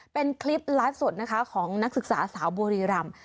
เป็นคลิปไลฟ์สดนะคะของนักศึกษาสาวบุรีรำ